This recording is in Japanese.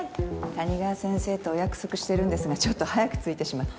谷川先生とお約束してるんですがちょっと早く着いてしまって。